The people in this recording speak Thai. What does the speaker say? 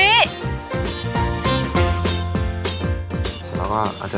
เสร็จแล้วก็เอาจะ